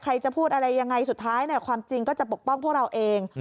ใครจะพูดอะไรยังไงสุดท้ายความจริงก็จะปกป้องพวกเราเอง